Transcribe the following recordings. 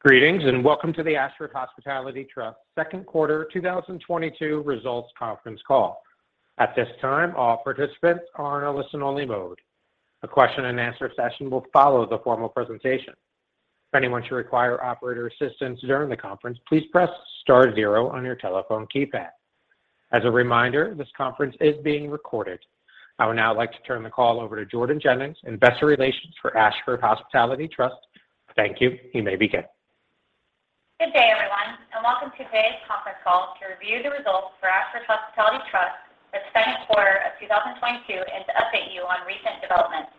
Greetings, and welcome to the Ashford Hospitality Trust second quarter 2022 results conference call. At this time, all participants are in a listen-only mode. A question and answer session will follow the formal presentation. If anyone should require operator assistance during the conference, please press star zero on your telephone keypad. As a reminder, this conference is being recorded. I would now like to turn the call over to Jordan Jennings, Investor Relations for Ashford Hospitality Trust. Thank you. You may begin. Good day, everyone, and welcome to today's conference call to review the results for Ashford Hospitality Trust for the second quarter of 2022 and to update you on recent developments.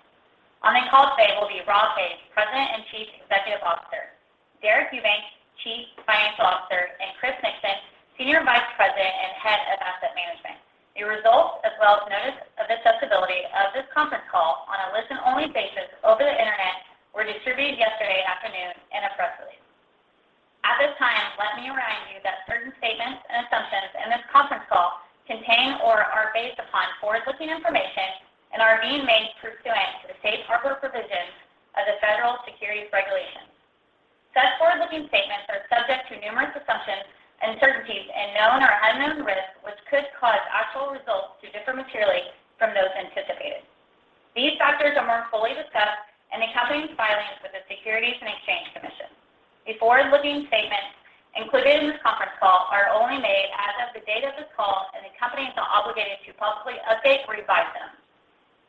On the call today will be Rob Hays, President and Chief Executive Officer, Deric Eubanks, Chief Financial Officer, and Chris Nixon, Senior Vice President and Head of Asset Management. The results, as well as notice of accessibility of this conference call on a listen-only basis over the Internet, were distributed yesterday afternoon in a press release. At this time, let me remind you that certain statements and assumptions in this conference call contain or are based upon forward-looking information and are being made pursuant to the safe harbor provisions of the Federal Securities Regulation. Such forward-looking statements are subject to numerous assumptions, uncertainties, and known or unknown risks, which could cause actual results to differ materially from those anticipated. These factors are more fully discussed in the company's filings with the Securities and Exchange Commission. The forward-looking statements included in this conference call are only made as of the date of this call, and the company is not obligated to publicly update or revise them.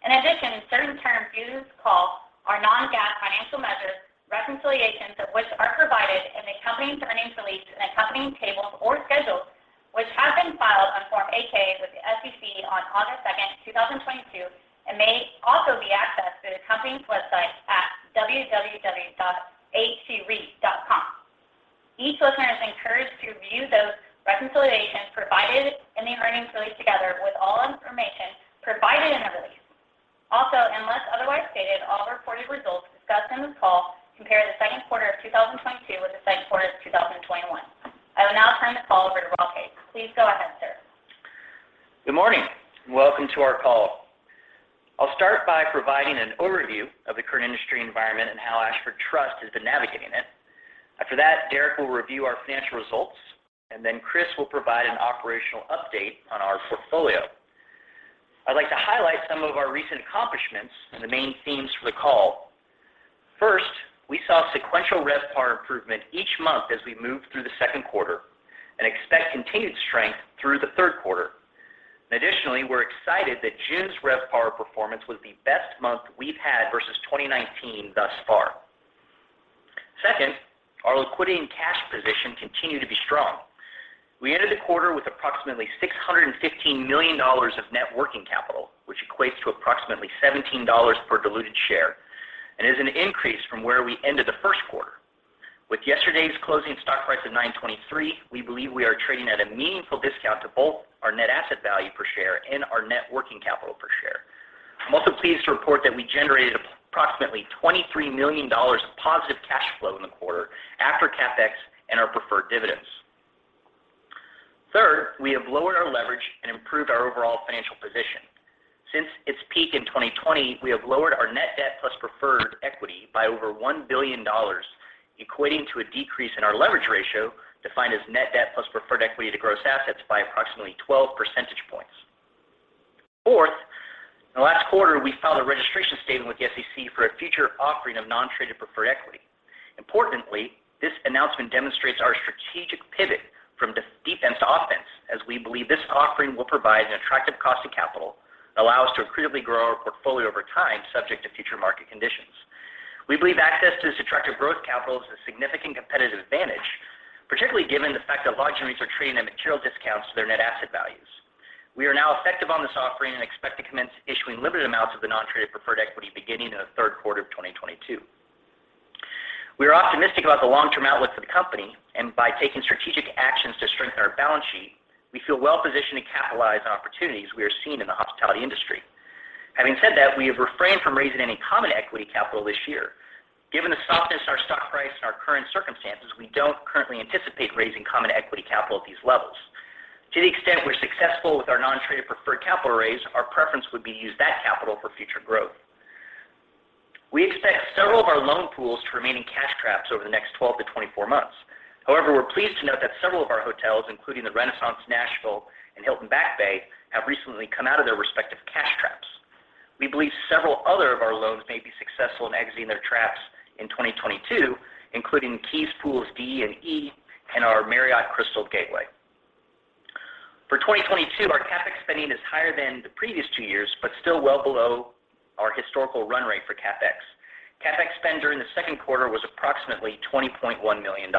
In addition, certain terms used in this call are non-GAAP financial measures, reconciliations of which are provided in the company's earnings release and accompanying tables or schedules, which have been filed on Form 8-K with the SEC on August 2, 2022, and may also be accessed through the company's website at www.ahtreit.com. Each listener is encouraged to view those reconciliations provided in the earnings release together with all information provided in the release. Also, unless otherwise stated, all reported results discussed in this call compare the second quarter of 2022 with the second quarter of 2021. I will now turn the call over to Rob Hays. Please go ahead, sir. Good morning. Welcome to our call. I'll start by providing an overview of the current industry environment and how Ashford Trust has been navigating it. After that, Derek will review our financial results, and then Chris will provide an operational update on our portfolio. I'd like to highlight some of our recent accomplishments and the main themes for the call. First, we saw sequential RevPAR improvement each month as we moved through the second quarter and expect continued strength through the third quarter. Additionally, we're excited that June's RevPAR performance was the best month we've had versus 2019 thus far. Second, our liquidity and cash position continue to be strong. We ended the quarter with approximately $615 million of net working capital, which equates to approximately $17 per diluted share and is an increase from where we ended the first quarter. With yesterday's closing stock price of $9.23, we believe we are trading at a meaningful discount to both our net asset value per share and our net working capital per share. I'm also pleased to report that we generated approximately $23 million of positive cash flow in the quarter after CapEx and our preferred dividends. Third, we have lowered our leverage and improved our overall financial position. Since its peak in 2020, we have lowered our net debt plus preferred equity by over $1 billion, equating to a decrease in our leverage ratio, defined as net debt plus preferred equity to gross assets, by approximately 12 percentage points. Fourth, in the last quarter, we filed a registration statement with the SEC for a future offering of non-traded preferred equity. Importantly, this announcement demonstrates our strategic pivot from defense to offense, as we believe this offering will provide an attractive cost of capital, allow us to accretively grow our portfolio over time, subject to future market conditions. We believe access to this attractive growth capital is a significant competitive advantage, particularly given the fact that lodging REITs are trading at material discounts to their net asset values. We are now effective on this offering and expect to commence issuing limited amounts of the non-traded preferred equity beginning in the third quarter of 2022. We are optimistic about the long-term outlook for the company, and by taking strategic actions to strengthen our balance sheet, we feel well-positioned to capitalize on opportunities we are seeing in the hospitality industry. Having said that, we have refrained from raising any common equity capital this year. Given the softness of our stock price and our current circumstances, we don't currently anticipate raising common equity capital at these levels. To the extent we're successful with our non-traded preferred capital raise, our preference would be to use that capital for future growth. We expect several of our loan pools to remain in cash traps over the next 12-24 months. However, we're pleased to note that several of our hotels, including the Renaissance Nashville and Hilton Back Bay, have recently come out of their respective cash traps. We believe several other of our loans may be successful in exiting their traps in 2022, including KEYS pools D and E and our Crystal Gateway Marriott. For 2022, our CapEx spending is higher than the previous two years but still well below our historical run rate for CapEx. CapEx spend during the second quarter was approximately $20.1 million.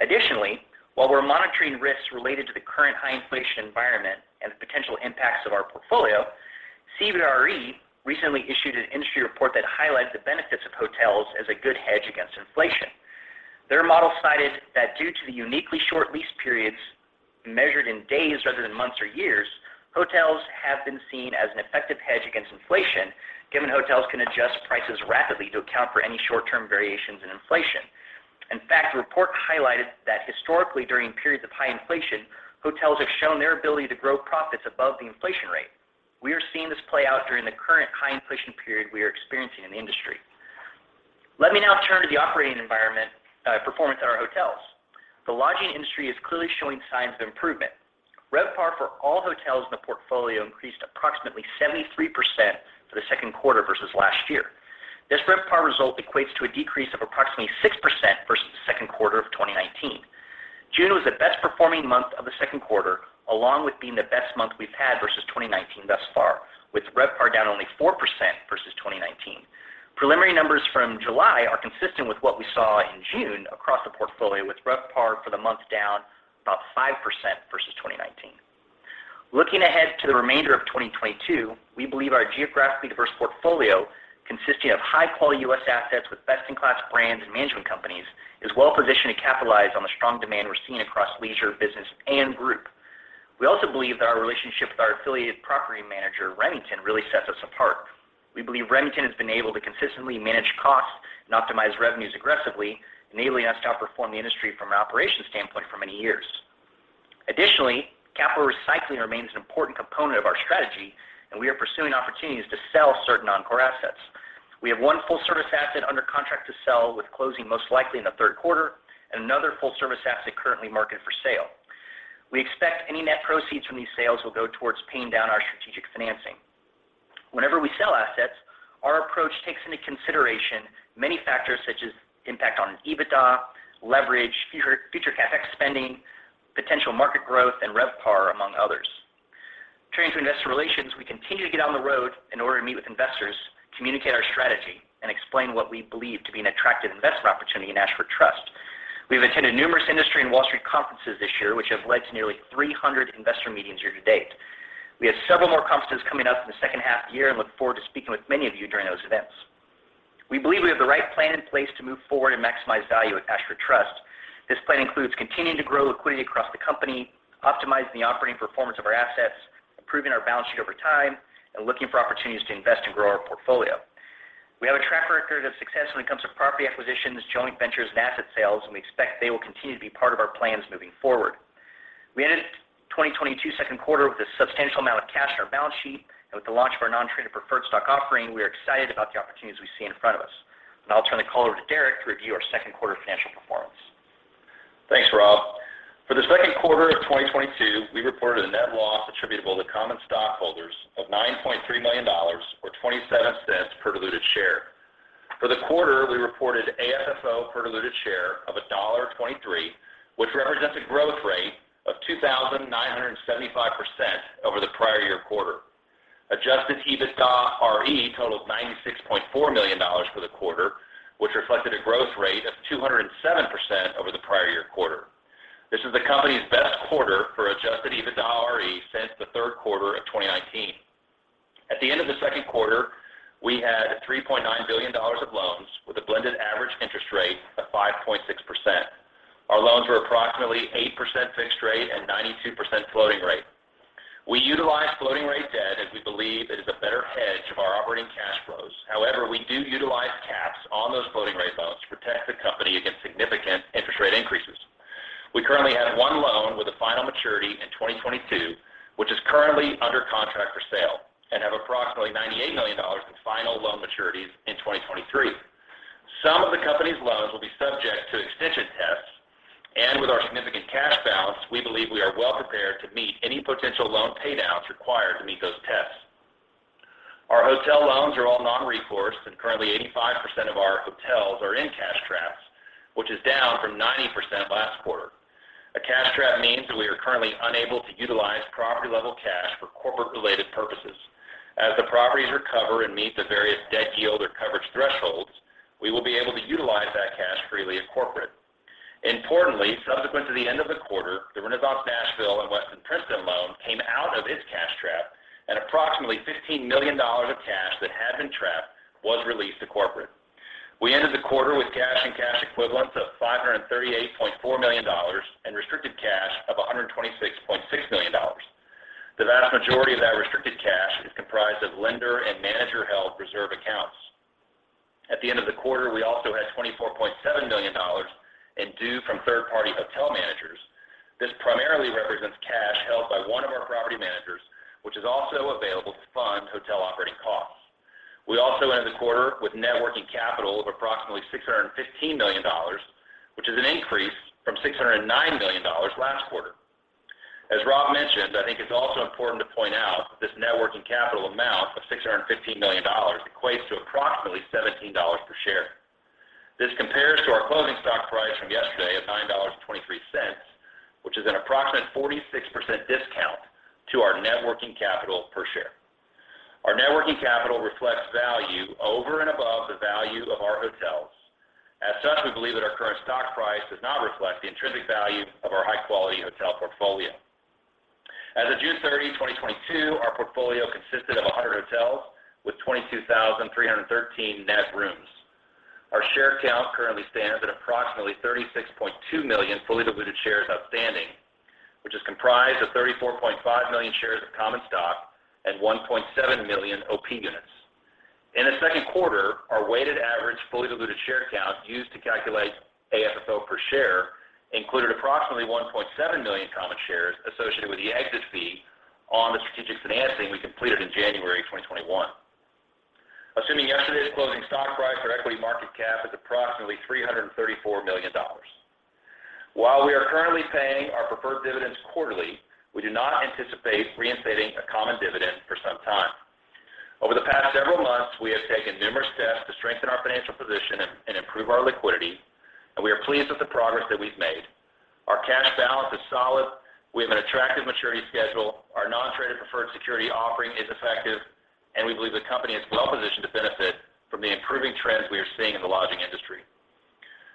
Additionally, while we're monitoring risks related to the current high inflation environment and the potential impacts of our portfolio, CBRE recently issued an industry report that highlights the benefits of hotels as a good hedge against inflation. Their model cited that due to the uniquely short lease periods measured in days rather than months or years, hotels have been seen as an effective hedge against inflation, given hotels can adjust prices rapidly to account for any short-term variations in inflation. In fact, the report highlighted that historically, during periods of high inflation, hotels have shown their ability to grow profits above the inflation rate. We are seeing this play out during the current high inflation period we are experiencing in the industry. Let me now turn to the operating environment, performance at our hotels. The lodging industry is clearly showing signs of improvement. RevPAR for all hotels in the portfolio increased approximately 73% for the second quarter versus last year. This RevPAR result equates to a decrease of approximately 6% versus the second quarter of 2019. June was the best performing month of the second quarter, along with being the best month we've had versus 2019 thus far, with RevPAR down only 4% versus 2019. Preliminary numbers from July are consistent with what we saw in June across the portfolio, with RevPAR for the month down about 5% versus 2019. Looking ahead to the remainder of 2022, we believe our geographically diverse portfolio, consisting of high-quality U.S. assets with best-in-class brands and management companies, is well-positioned to capitalize on the strong demand we're seeing across leisure, business, and group. We also believe that our relationship with our affiliated property manager, Remington, really sets us apart. We believe Remington has been able to consistently manage costs and optimize revenues aggressively, enabling us to outperform the industry from an operations standpoint for many years. Additionally, capital recycling remains an important component of our strategy, and we are pursuing opportunities to sell certain non-core assets. We have one full-service asset under contract to sell with closing most likely in the third quarter, and another full-service asset currently marketed for sale. We expect any net proceeds from these sales will go towards paying down our strategic financing. Whenever we sell assets, our approach takes into consideration many factors such as impact on EBITDA, leverage, future CapEx spending, potential market growth, and RevPAR, among others. Turning to investor relations, we continue to get on the road in order to meet with investors, communicate our strategy, and explain what we believe to be an attractive investment opportunity in Ashford Hospitality Trust. We've attended numerous industry and Wall Street conferences this year, which have led to nearly 300 investor meetings year to date. We have several more conferences coming up in the second half of the year and look forward to speaking with many of you during those events. We believe we have the right plan in place to move forward and maximize value at Ashford Hospitality Trust. This plan includes continuing to grow liquidity across the company, optimizing the operating performance of our assets, improving our balance sheet over time, and looking for opportunities to invest and grow our portfolio. We have a track record of success when it comes to property acquisitions, joint ventures, and asset sales, and we expect they will continue to be part of our plans moving forward. We ended 2022 second quarter with a substantial amount of cash in our balance sheet, and with the launch of our non-traded preferred stock offering, we are excited about the opportunities we see in front of us. Now I'll turn the call over to Deric to review our second quarter financial performance. Thanks, Rob. For the second quarter of 2022, we reported a net loss attributable to common stockholders of $9.3 million or $0.27 per diluted share. For the quarter, we reported AFFO per diluted share of $1.23, which represents a growth rate of 2,975% over the prior year quarter. Adjusted EBITDAre totaled $96.4 million for the quarter, which reflected a growth rate of 207% over the prior year quarter. This is the company's best quarter for adjusted EBITDAre since the third quarter of 2019. At the end of the second quarter, we had $3.9 billion of loans with a blended average interest rate of 5.6%. Our loans were approximately 8% fixed-rate and 92% floating-rate. We utilize floating rate debt as we believe it is a better hedge of our operating cash flows. However, we do utilize caps on those floating rate loans to protect the company against significant interest rate increases. We currently have one loan with a final maturity in 2022, which is currently under contract for sale and have approximately $98 million in final loan maturities in 2023. Some of the company's loans will be subject to extension tests, and with our significant cash balance, we believe we are well prepared to meet any potential loan pay downs required to meet those tests. Our hotel loans are all non-recourse, and currently 85% of our hotels are in cash traps, which is down from 90% last quarter. A cash trap means that we are currently unable to utilize property-level cash for corporate-related purposes. As the properties recover and meet the various debt yield or coverage thresholds, we will be able to utilize that cash freely at corporate. Importantly, subsequent to the end of the quarter, the Renaissance Nashville and Westin Princeton loan came out of its cash trap, and approximately $15 million of cash that had been trapped was released to corporate. We ended the quarter with cash and cash equivalents of $538.4 million and restricted cash of $126.6 million. The vast majority of that restricted cash is comprised of lender and manager-held reserve accounts. At the end of the quarter, we also had $24.7 million in due from third-party hotel managers. This primarily represents cash held by one of our property managers, which is also available to fund hotel operating costs. We ended the quarter with net working capital of approximately $615 million, which is an increase from $609 million last quarter. As Rob mentioned, I think it's also important to point out that this net working capital amount of $615 million equates to approximately $17 per share. This compares to our closing stock price from yesterday of $9.23, which is an approximate 46% discount to our net working capital per share. Our net working capital reflects value over and above the value of our hotels. As such, we believe that our current stock price does not reflect the intrinsic value of our high-quality hotel portfolio. As of June 30, 2022, our portfolio consisted of 100 hotels with 22,313 net rooms. Our share count currently stands at approximately 36.2 million fully diluted shares outstanding, which is comprised of 34.5 million shares of common stock and 1.7 million OP units. In the second quarter, our weighted average fully diluted share count used to calculate AFFO per share included approximately 1.7 million common shares associated with the exit fee on the strategic financing we completed in January 2021. Assuming yesterday's closing stock price, our equity market cap is approximately $334 million. While we are currently paying our preferred dividends quarterly, we do not anticipate reinstating a common dividend for some time. Over the past several months, we have taken numerous steps to strengthen our financial position and improve our liquidity, and we are pleased with the progress that we've made. Our cash balance is solid. We have an attractive maturity schedule. Our non-traded preferred security offering is effective, and we believe the company is well-positioned to benefit from the improving trends we are seeing in the lodging industry.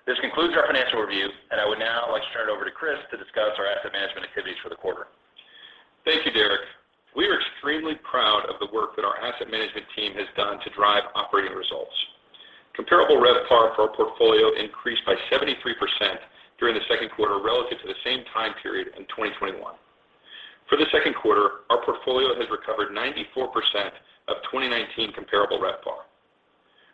This concludes our financial review, and I would now like to turn it over to Chris to discuss our asset management activities for the quarter. Thank you, Deric. We are extremely proud of the work that our asset management team has done to drive operating results. Comparable RevPAR for our portfolio increased by 73% during the second quarter relative to the same time period in 2021. For the second quarter, our portfolio has recovered 94% of 2019 comparable RevPAR.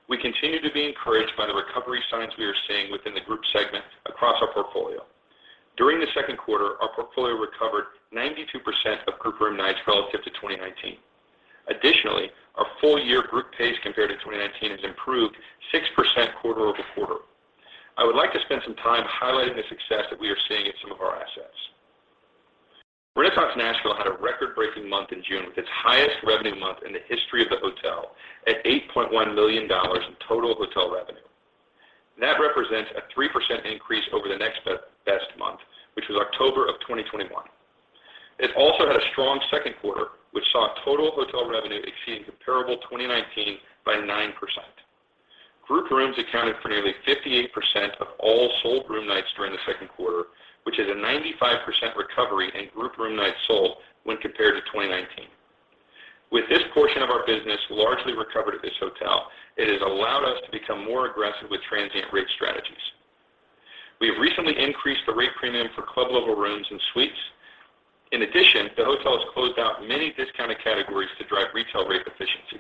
We continue to be encouraged by the recovery signs we are seeing within the group segment across our portfolio. During the second quarter, our portfolio recovered 92% of group room nights relative to 2019. Additionally, our full-year group pace compared to 2019 has improved 6% quarter-over-quarter. I would like to spend some time highlighting the success that we are seeing in some of our assets. Renaissance Nashville Hotel had a record-breaking month in June with its highest revenue month in the history of the hotel at $8.1 million in total hotel revenue. That represents a 3% increase over the best month, which was October 2021. It also had a strong second quarter, which saw total hotel revenue exceeding comparable 2019 by 9%. Group rooms accounted for nearly 58% of all sold room nights during the second quarter, which is a 95% recovery in group room nights sold when compared to 2019. With this portion of our business largely recovered at this hotel, it has allowed us to become more aggressive with transient rate strategies. We have recently increased the rate premium for club-level rooms and suites. In addition, the hotel has closed out many discounted categories to drive retail rate efficiency.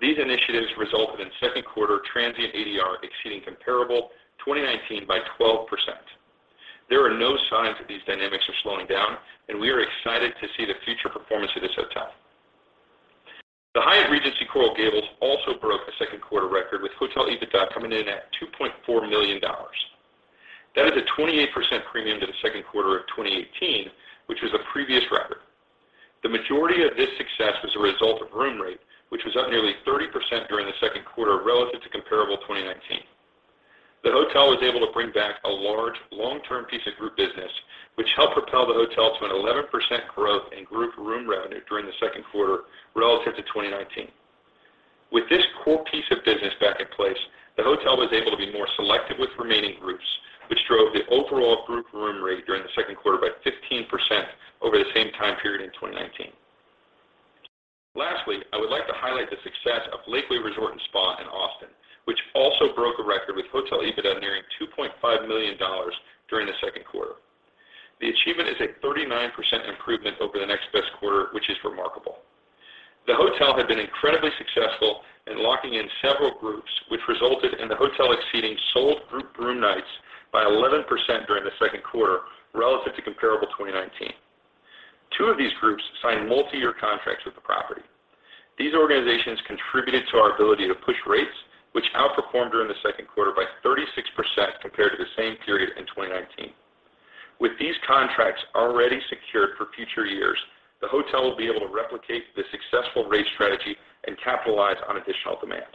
These initiatives resulted in second quarter transient ADR exceeding comparable 2019 by 12%. There are no signs that these dynamics are slowing down, and we are excited to see the future performance of this hotel. The Hyatt Regency Coral Gables also broke a second-quarter record, with hotel EBITDA coming in at $2.4 million. That is a 28% premium to the second quarter of 2018, which was a previous record. The majority of this success was a result of room rate, which was up nearly 30% during the second quarter relative to comparable 2019. The hotel was able to bring back a large long-term piece of group business, which helped propel the hotel to an 11% growth in group room revenue during the second quarter relative to 2019. With this core piece of business back in place, the hotel was able to be more selective with remaining groups, which drove the overall group room rate during the second quarter by 15% over the same time period in 2019. Lastly, I would like to highlight the success of Lakeway Resort and Spa in Austin, which also broke a record with hotel EBITDA nearing $2.5 million during the second quarter. The achievement is a 39% improvement over the next best quarter, which is remarkable. The hotel had been incredibly successful in locking in several groups, which resulted in the hotel exceeding sold group room nights by 11% during the second quarter relative to comparable 2019. Two of these groups signed multi-year contracts with the property. These organizations contributed to our ability to push rates, which outperformed during the second quarter by 36% compared to the same period in 2019. With these contracts already secured for future years, the hotel will be able to replicate the successful rate strategy and capitalize on additional demand.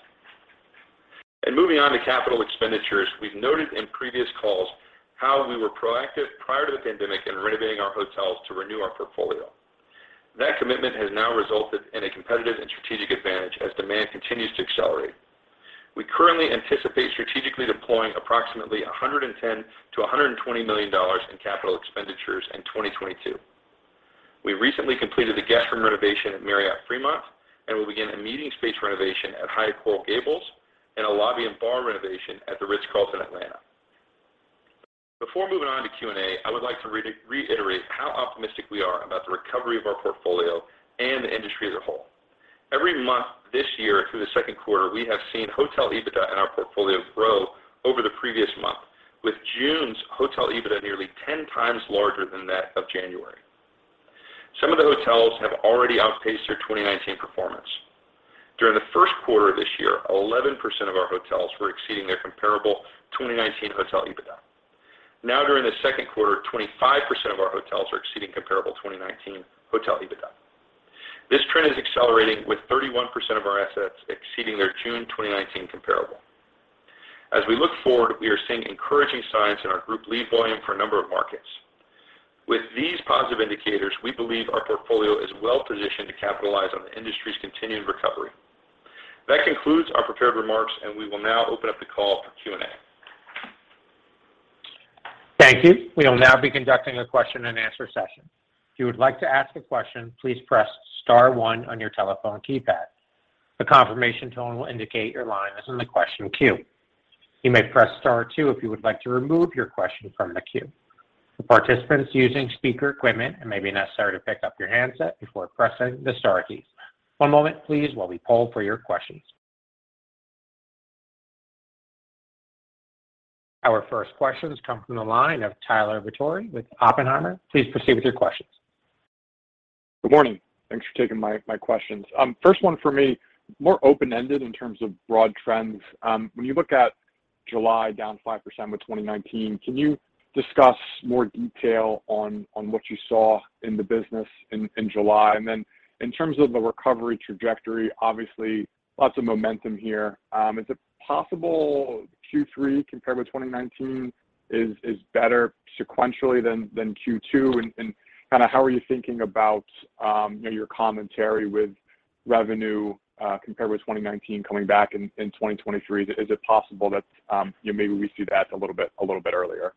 Moving on to capital expenditures. We've noted in previous calls how we were proactive prior to the pandemic in renovating our hotels to renew our portfolio. That commitment has now resulted in a competitive and strategic advantage as demand continues to accelerate. We currently anticipate strategically deploying approximately $110-$120 million in capital expenditures in 2022. We recently completed the guest room renovation at Fremont Marriott Silicon Valley and will begin a meeting space renovation at Hyatt Regency Coral Gables and a lobby and bar renovation at The Ritz-Carlton, Atlanta. Before moving on to Q&A, I would like to reiterate how optimistic we are about the recovery of our portfolio and the industry as a whole. Every month this year through the second quarter, we have seen hotel EBITDA in our portfolio grow over the previous month, with June's hotel EBITDA nearly 10 times larger than that of January. Some of the hotels have already outpaced their 2019 performance. During the first quarter of this year, 11% of our hotels were exceeding their comparable 2019 hotel EBITDA. Now, during the second quarter, 25% of our hotels are exceeding comparable 2019 hotel EBITDA. This trend is accelerating, with 31% of our assets exceeding their June 2019 comparable. As we look forward, we are seeing encouraging signs in our group lead volume for a number of markets. With these positive indicators, we believe our portfolio is well-positioned to capitalize on the industry's continuing recovery. That concludes our prepared remarks, and we will now open up the call for Q&A. Thank you. We will now be conducting a question-and-answer session. If you would like to ask a question, please press star one on your telephone keypad. A confirmation tone will indicate your line is in the question queue. You may press star two if you would like to remove your question from the queue. For participants using speaker equipment, it may be necessary to pick up your handset before pressing the star key. One moment please while we poll for your questions. Our first question comes from the line of Tyler Batory with Oppenheimer. Please proceed with your questions. Good morning. Thanks for taking my questions. First one for me, more open-ended in terms of broad trends. When you look at July down 5% with 2019, can you discuss more detail on what you saw in the business in July? Then in terms of the recovery trajectory, obviously lots of momentum here. Is it possible Q3 compared with 2019 is better sequentially than Q2? And kind of how are you thinking about your commentary with revenue compared with 2019 coming back in 2023? Is it possible that you know, maybe we see that a little bit earlier?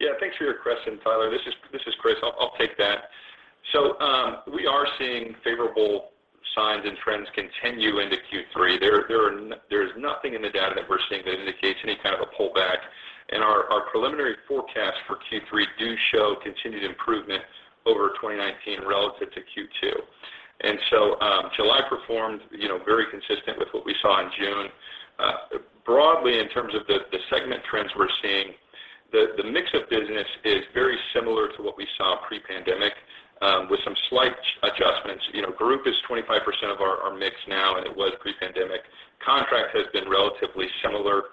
Yeah, thanks for your question, Tyler. This is Chris. I'll take that. We are seeing favorable signs and trends continue into Q3. There is nothing in the data that we're seeing that indicates any kind of a pullback, and our preliminary forecasts for Q3 do show continued improvement over 2019 relative to Q2. July performed, you know, very consistent with what we saw in June. Broadly in terms of the segment trends we're seeing, the mix of business is very similar to what we saw pre-pandemic, with some slight adjustments. You know, group is 25% of our mix now, and it was pre-pandemic. Contract has been relatively similar.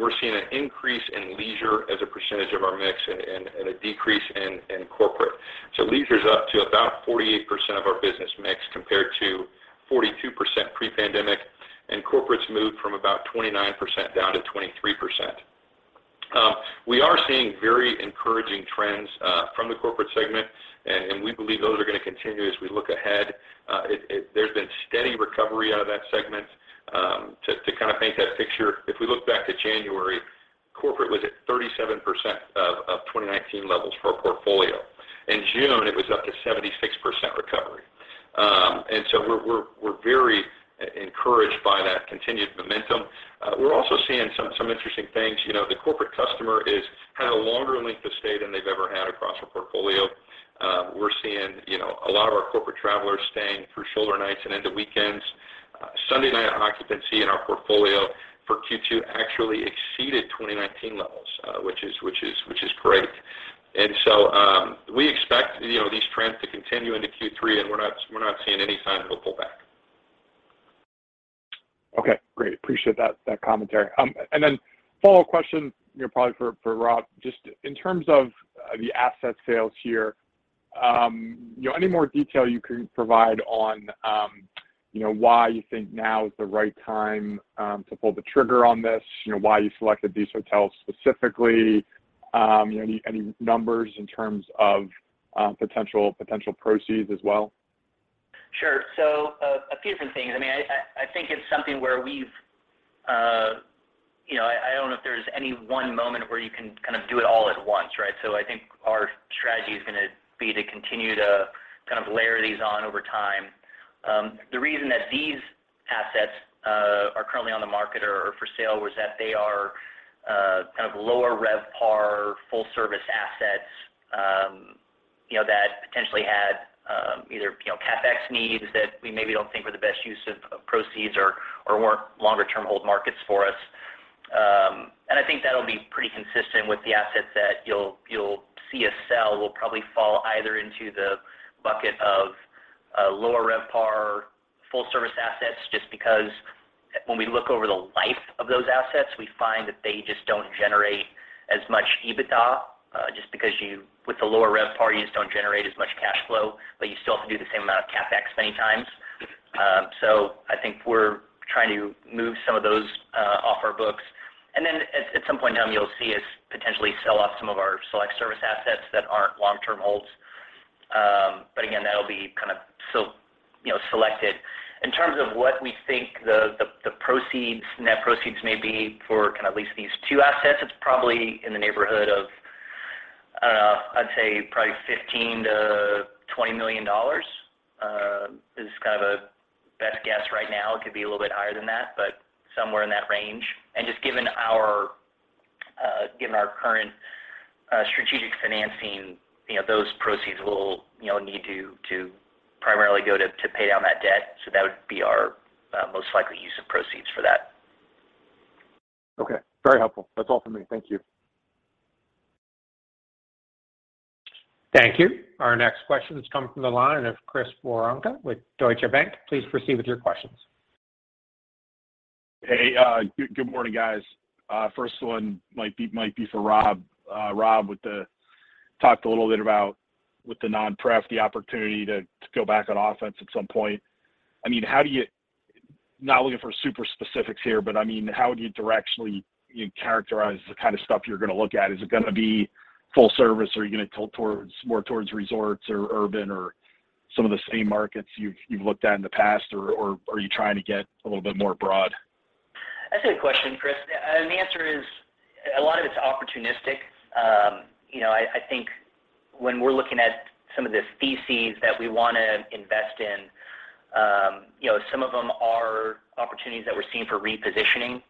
We're seeing an increase in leisure as a percentage of our mix and a decrease in corporate. Leisure's up to about 48% of our business mix compared to 42% pre-pandemic, and corporate's moved from about 29% down to 23%. We are seeing very encouraging trends from the corporate segment, and we believe those are gonna continue as we look ahead. There's been steady recovery out of that segment. To kind of paint that picture, if we look back to January, corporate was at 37% of 2019 levels for our portfolio. In June, it was up to 76% recovery. We're very encouraged by that continued momentum. We're also seeing some interesting things. You know, the corporate customer has had a longer length of stay than they've ever had across our portfolio. We're seeing, you know, a lot of our corporate travelers staying through shoulder nights and into weekends. Sunday night occupancy in our portfolio for Q2 actually exceeded 2019 levels, which is great. We expect, you know, these trends to continue into Q3, and we're not seeing any sign of a pullback. Okay. Great. Appreciate that commentary. Follow-up question, you know, probably for Rob, just in terms of the asset sales here, you know, any more detail you can provide on, you know, why you think now is the right time to pull the trigger on this? You know, why you selected these hotels specifically? You know, any numbers in terms of potential proceeds as well? Sure. A few different things. I mean, I think it's something where we've, you know, I don't know if there's any one moment where you can kind of do it all at once, right? I think our strategy is gonna be to continue to kind of layer these on over time. The reason that these assets are currently on the market or are for sale was that they are kind of lower RevPAR full-service assets, you know, that potentially had either, you know, CapEx needs that we maybe don't think were the best use of proceeds or weren't longer term hold markets for us. I think that'll be pretty consistent with the assets that you'll see us sell will probably fall either into the bucket of lower RevPAR full-service assets just because when we look over the life of those assets, we find that they just don't generate as much EBITDA just because with the lower RevPAR, you just don't generate as much cash flow, but you still have to do the same amount of CapEx many times. I think we're trying to move some of those off our books. Then at some point in time, you'll see us potentially sell off some of our select-service assets that aren't long-term holds. But again, that'll be kind of selected, you know. In terms of what we think the proceeds, net proceeds may be for kind of at least these two assets, it's probably in the neighborhood of, I'd say probably $15 million-$20 million. Is kind of a best guess right now. It could be a little bit higher than that, but somewhere in that range. Just given our current strategic financing, you know, those proceeds will, you know, need to primarily go to pay down that debt. That would be our most likely use of proceeds for that. Okay. Very helpful. That's all for me. Thank you. Thank you. Our next question is coming from the line of Chris Woronka with Deutsche Bank. Please proceed with your questions. Hey, good morning, guys. First one might be for Rob. Rob, talked a little bit about the non-pref, the opportunity to go back on offense at some point. I mean, not looking for super specifics here, but I mean, how would you directionally, you know, characterize the kind of stuff you're gonna look at? Is it gonna be full service? Are you gonna tilt towards resorts or urban or some of the same markets you've looked at in the past? Or are you trying to get a little bit more broad? That's a good question, Chris. The answer is opportunistic. You know, I think when we're looking at some of the theses that we wanna invest in, you know, some of them are opportunities that we're seeing for repositioning.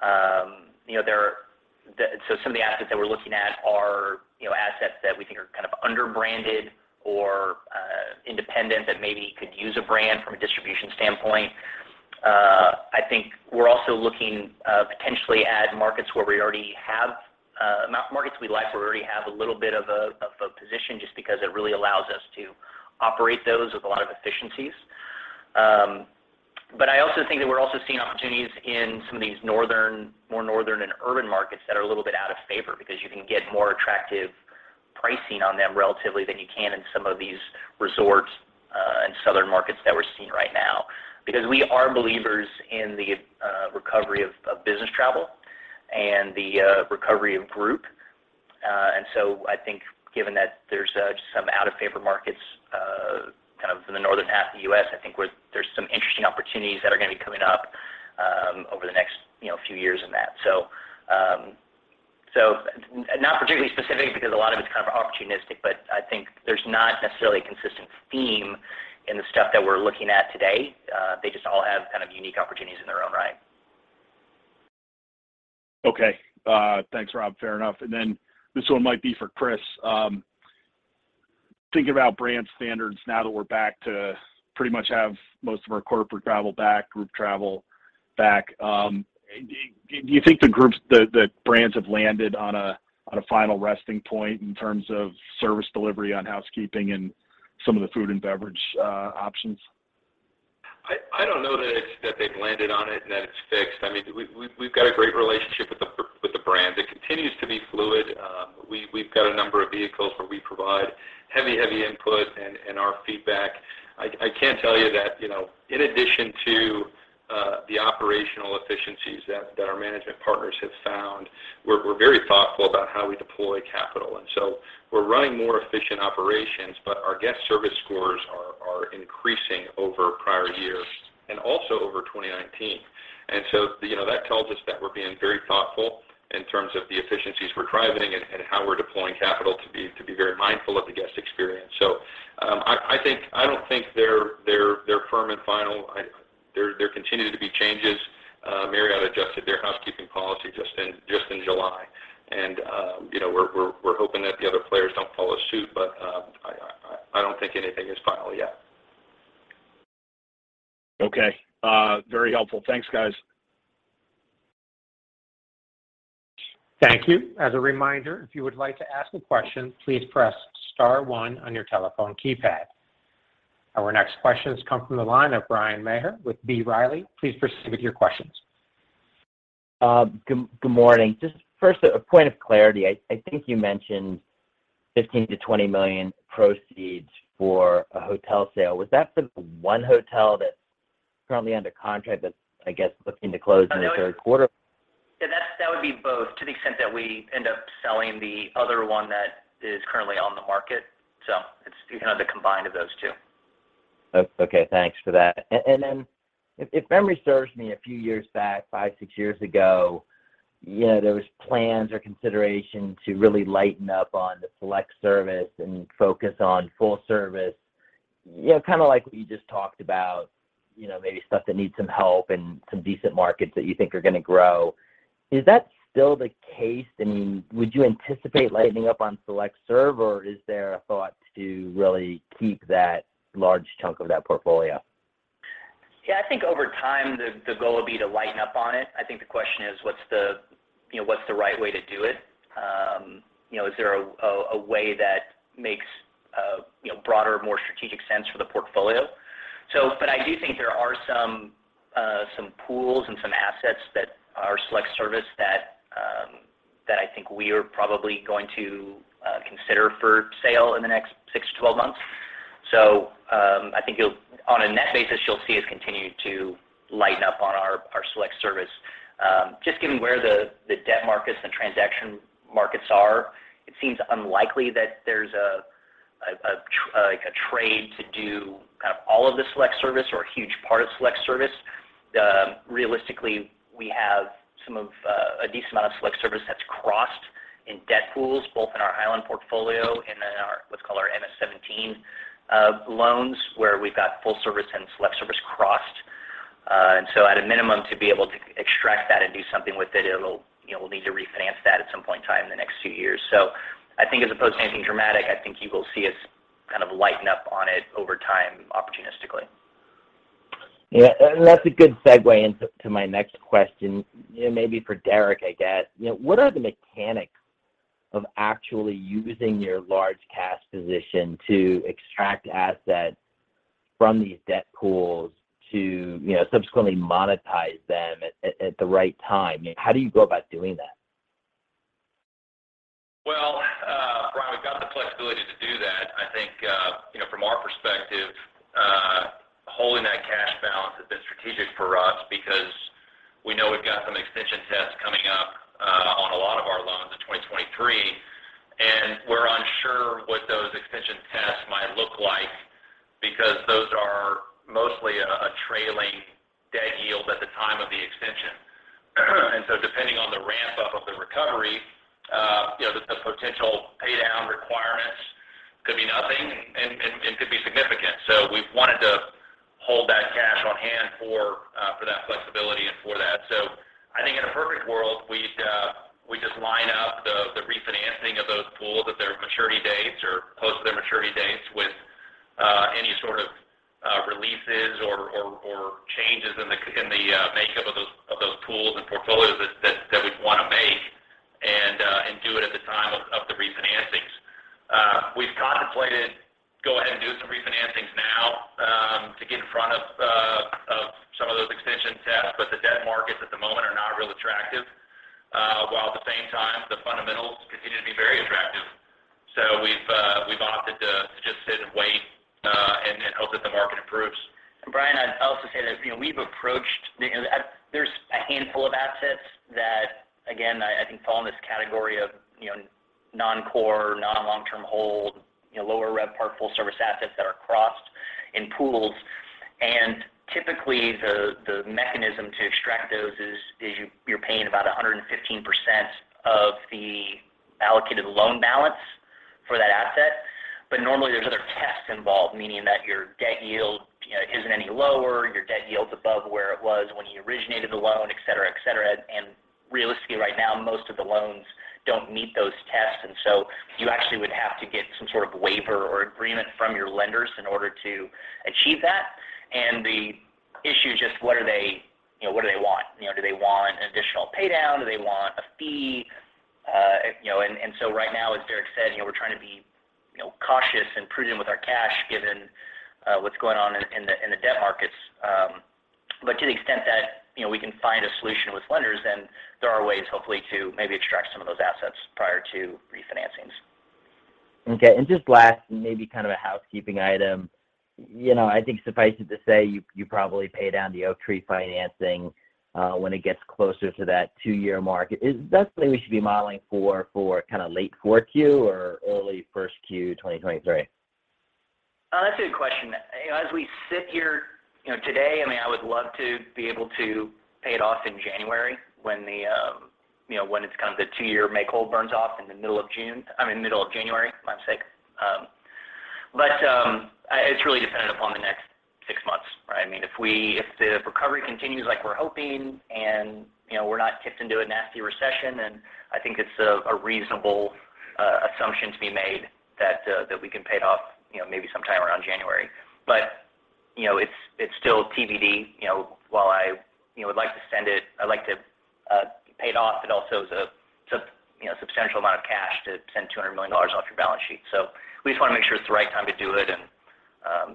Some of the assets that we're looking at are, you know, assets that we think are kind of under-branded or independent that maybe could use a brand from a distribution standpoint. I think we're also looking potentially at markets where we already have a number of markets we like, where we already have a little bit of a position just because it really allows us to operate those with a lot of efficiencies. I also think that we're also seeing opportunities in some of these northern, more northern and urban markets that are a little bit out of favor because you can get more attractive pricing on them relatively than you can in some of these resorts, and southern markets that we're seeing right now. Because we are believers in the recovery of business travel and the recovery of group. I think given that there's just some out-of-favor markets kind of in the northern half of the U.S., I think there's some interesting opportunities that are gonna be coming up over the next, you know, few years in that. Not particularly specific because a lot of it's kind of opportunistic, but I think there's not necessarily a consistent theme in the stuff that we're looking at today. They just all have kind of unique opportunities in their own right. Okay. Thanks Rob. Fair enough. This one might be for Chris. Thinking about brand standards now that we're back to pretty much have most of our corporate travel back, group travel back, do you think the brands have landed on a final resting point in terms of service delivery on housekeeping and some of the food and beverage options? I don't know that it's that they've landed on it and that it's fixed. I mean, we've got a great relationship with the brand. It continues to be fluid. We've got a number of vehicles where we provide heavy input and our feedback. I can tell you that, you know, in addition to the operational efficiencies that our management partners have found, we're very thoughtful about how we deploy capital. We're running more efficient operations, but our guest service scores are increasing over prior years and also over 2019. You know, that tells us that we're being very thoughtful in terms of the efficiencies we're driving and how we're deploying capital to be very mindful of the guest experience. I don't think they're firm and final. There continue to be changes. Marriott adjusted their housekeeping policy just in July, and you know, we're hoping that the other players don't follow suit. I don't think anything is final yet. Okay. Very helpful. Thanks guys. Thank you. As a reminder, if you would like to ask a question, please press star one on your telephone keypad. Our next question has come from the line of Bryan Maher with B. Riley. Please proceed with your questions. Good morning. Just first a point of clarity. I think you mentioned $15 million-$20 million proceeds for a hotel sale. Was that for the one hotel that's currently under contract that's, I guess, looking to close in the third quarter? That would be both to the extent that we end up selling the other one that is currently on the market. It's, you know, the combination of those two. Okay, thanks for that. If memory serves me a few years back, five, six years ago, you know, there was plans or consideration to really lighten up on the select service and focus on full service. You know, kind of like what you just talked about, you know, maybe stuff that needs some help and some decent markets that you think are gonna grow. Is that still the case? I mean, would you anticipate lightening up on select service or is there a thought to really keep that large chunk of that portfolio? Yeah, I think over time the goal would be to lighten up on it. I think the question is what's the right way to do it? You know, is there a way that makes you know, broader, more strategic sense for the portfolio? I do think there are some pools and some assets that are select service that I think we are probably going to consider for sale in the next 6-12 months. On a net basis, you'll see us continue to lighten up on our select service. Just given where the debt markets and transaction markets are, it seems unlikely that there's a trade to do kind of all of the select service or a huge part of select service. Realistically, we have some of a decent amount of select service that's crossed in debt pools, both in our Highland portfolio and in our what's called our MS-17 loans, where we've got full service and select service crossed. At a minimum, to be able to extract that and do something with it'll. You know, we'll need to refinance that at some point in time in the next two years. I think as opposed to anything dramatic, I think you will see us kind of lighten up on it over time opportunistically. Yeah. That's a good segue into my next question. You know, maybe for Deric, I guess. You know, what are the mechanics of actually using your large cash position to extract assets from these debt pools to, you know, subsequently monetize them at the right time? How do you go about doing that? Well, Bryan, we've got the flexibility to do that. I think, you know, from our perspective, holding that cash balance has been strategic for us because we know we've got some extension tests coming up, on a lot of our loans in 2023, and we're unsure what those extension tests might look like. Because those are mostly a trailing debt yield at the time of the extension. Depending on the ramp up of the recovery, the potential pay down requirements could be nothing and could be significant. We've wanted to hold that cash on hand for that flexibility and for that. I think in a perfect world, we'd just line up the refinancing of those pools at their maturity dates or close to their maturity dates with any sort of releases or changes in the makeup of those pools and portfolios that we'd wanna make and do it at the time of the refinancings. We've contemplated go ahead and do some refinancings now, to get in front of some of those extension tests, but the debt markets at the moment are not real attractive. While at the same time, the fundamentals continue to be very attractive. We've opted to just sit and wait, and then hope that the market improves. Bryan, I'd also say that, you know, we've approached the. There's a handful of assets that, again, I think fall in this category of, you know, non-core, non-long term hold, you know, lower RevPAR full service assets that are crossed in pools. Typically, the mechanism to extract those is you're paying about 115% of the allocated loan balance for that asset. But normally, there's other tests involved, meaning that your debt yield, you know, isn't any lower, your debt yield's above where it was when you originated the loan, et cetera, et cetera. Realistically right now, most of the loans don't meet those tests, and so you actually would have to get some sort of waiver or agreement from your lenders in order to achieve that. The issue is just what are they, you know, what do they want? You know, do they want an additional pay down? Do they want a fee? You know, so right now, as Deric said, you know, we're trying to be, you know, cautious and prudent with our cash given what's going on in the debt markets. But to the extent that, you know, we can find a solution with lenders, then there are ways, hopefully, to maybe extract some of those assets prior to refinancings. Okay. Just last, maybe kind of a housekeeping item. You know, I think suffice it to say, you probably pay down the Oaktree financing, when it gets closer to that two-year mark. That's something we should be modeling for kinda late 4Q or early 1Q 2023? That's a good question. You know, as we sit here, you know, today, I mean, I would love to be able to pay it off in January when the, you know, when it's kind of the two-year make whole burns off in the middle of June. I mean, middle of January. My mistake. But, it's really dependent upon the next six months, right? I mean, if the recovery continues like we're hoping and, you know, we're not kicked into a nasty recession, then I think it's a reasonable assumption to be made that that we can pay it off, you know, maybe sometime around January. But, you know, it's still TBD. You know, while I, you know, would like to send it. I'd like to pay it off, it also is a substantial amount of cash to send $200 million off your balance sheet. We just wanna make sure it's the right time to do it and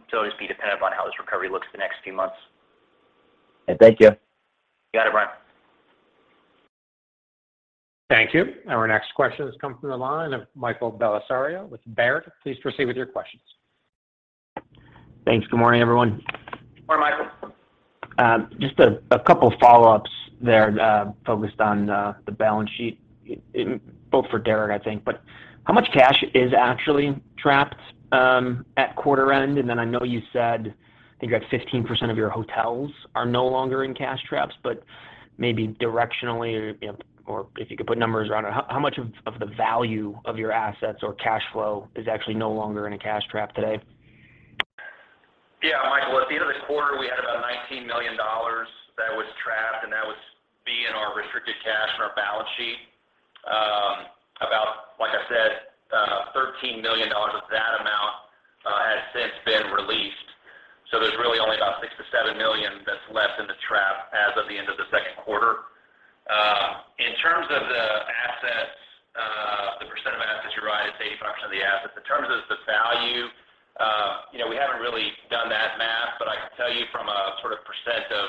so it'll just be dependent upon how this recovery looks the next few months. Thank you. You got it, Bryan. Thank you. Our next question is coming from the line of Michael Bellisario with Baird. Please proceed with your questions. Thanks. Good morning, everyone. Good morning, Michael. Just a couple follow-ups there, focused on the balance sheet both for Deric, I think. How much cash is actually trapped at quarter end? I know you said I think you have 15% of your hotels are no longer in cash traps, but maybe directionally or, you know, or if you could put numbers around it, how much of the value of your assets or cash flow is actually no longer in a cash trap today? Yeah, Michael. At the end of the quarter, we had about $19 million that was trapped, and that was B in our restricted cash in our balance sheet. About, like I said, $13 million of that amount has since been released. There's really only about $6 million-$7 million that's left in the trap as of the end of the second quarter. In terms of the assets, the percent of assets you're right, it's 85% of the assets. In terms of the value, you know, we haven't really done that math, but I can tell you from a sort of percent of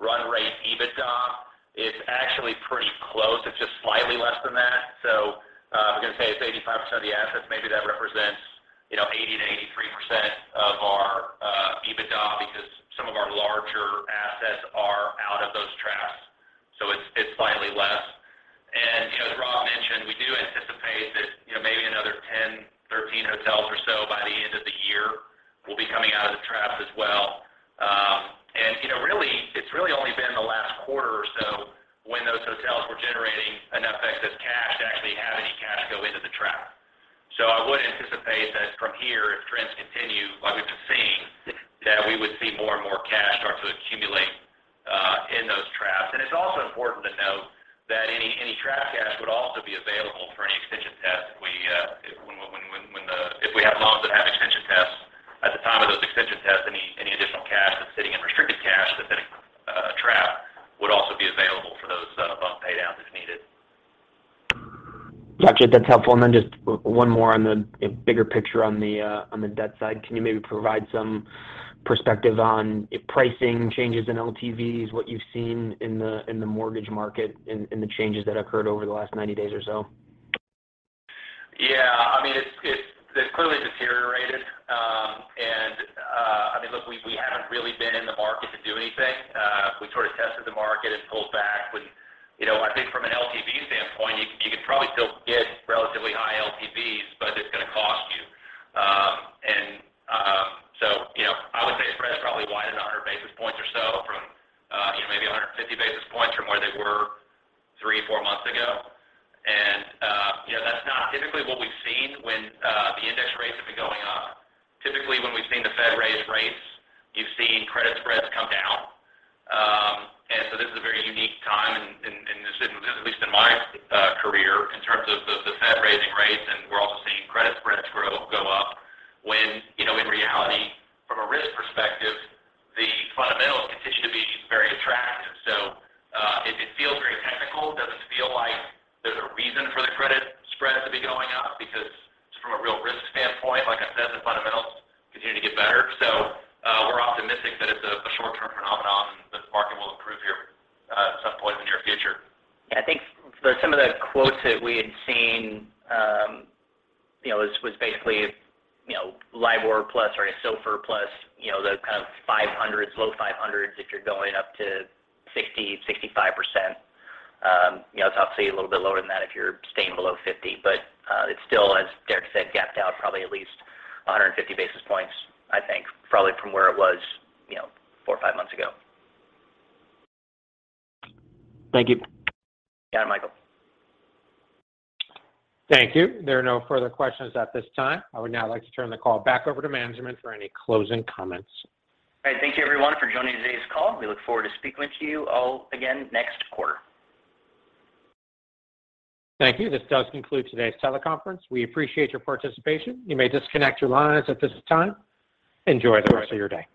run rate EBITDA, it's actually pretty close. It's just slightly less than that. We're gonna say it's 85% of the assets. Maybe that represents, you know, 80%-83% of our EBITDA because some of our larger assets are out of those traps. It's slightly less. You know, as Rob mentioned, we do anticipate that, you know, maybe another 10-13 hotels or so by the end of the year will be coming out of the traps as well. You know, really, it's really only been the last quarter or so when those hotels were generating enough excess cash to actually have any cash go into the trap. I would anticipate that from here, if trends continue like we've been seeing, that we would see more and more cash start to accumulate in those traps. It's also important to note that any trap cash would also be available for any extension test if we have loans that have extension tests. At the time of those extension tests, any additional cash that's sitting in restricted cash that's in a trap would also be available for those bump pay downs as needed. Gotcha. That's helpful. Just one more on the, you know, bigger picture on the debt side. Can you maybe provide some perspective on pricing changes in LTVs, what you've seen in the mortgage market, in the changes that occurred over the last 90 days or so? Yeah. I mean, it's clearly deteriorated. I mean, look, we haven't really been in the market to do anything. Market has pulled back when, you know, I think from an LTV standpoint, you can probably still get relatively high LTVs, but it's gonna cost you. You know, I would say spreads probably widened 100 basis points or so from, you know, maybe 150 basis points from where they were three, four months ago. You know, that's not typically what we've seen when the index rates have been going up. Typically, when we've seen the Fed raise rates, you've seen credit spreads come down. This is a very unique time in this business, at least in my career, in terms of the Fed raising rates, and we're also seeing credit spreads go up when, you know, in reality, from a risk perspective, the fundamentals continue to be very attractive. It feels very technical. It doesn't feel like there's a reason for the credit spreads to be going up because just from a real risk standpoint, like I said, the fundamentals continue to get better. We're optimistic that it's a short-term phenomenon, and the market will improve here at some point in the near future. Yeah. I think for some of the quotes that we had seen was basically LIBOR plus or a SOFR plus the kind of 500s, low 500s if you're going up to 65%. It's obviously a little bit lower than that if you're staying below 50. It's still, as Deric said, gapped out probably at least 150 basis points, I think, probably from where it was four or five months ago. Thank you. You got it, Michael. Thank you. There are no further questions at this time. I would now like to turn the call back over to management for any closing comments. All right. Thank you everyone for joining today's call. We look forward to speaking to you all again next quarter. Thank you. This does conclude today's teleconference. We appreciate your participation. You may disconnect your lines at this time. Enjoy the rest of your day.